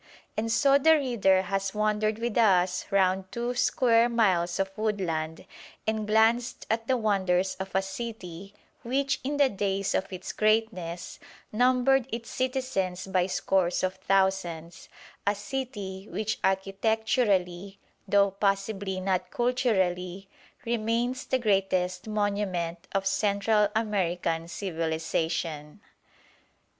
And so the reader has wandered with us round two square miles of woodland, and glanced at the wonders of a city which in the days of its greatness numbered its citizens by scores of thousands; a city which architecturally, though possibly not culturally, remains the greatest monument of Central American civilisation.